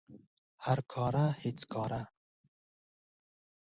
هر کاره هیڅ کاره